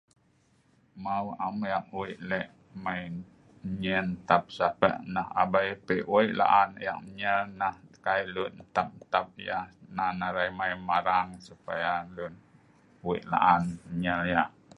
Maw am ek lek mai nyen sapz' nah tabei, peei wei laan ek nyer nah kai lun ntap-ntap yah nan arai mai marang supaya lun wei laan nyer yah